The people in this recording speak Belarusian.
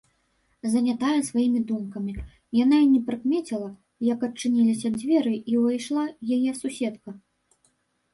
Занятая сваімі думкамі, яна і не прыкмеціла, як адчыніліся дзверы і ўвайшла яе суседка.